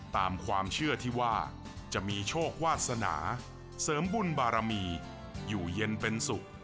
ตามความเชื่อที่ว่าจะมีโชควาสนาเสริมบุญบารมีอยู่เย็นเป็นสุข